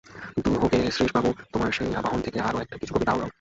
দূর হোক গে শ্রীশবাবু, তোমার সেই আবাহন থেকে আর-একটা কিছু কবিতা আওড়াও।